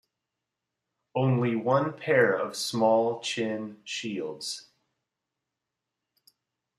Only one pair of small chin shields.